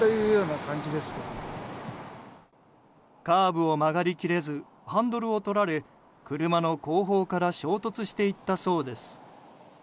カーブを曲がり切れずハンドルを取られ車の後方から衝突していったそうです。